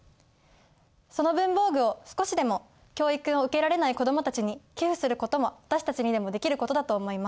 その文房具を少しでも教育を受けられない子どもたちに寄付することも私たちにでもできることだと思います。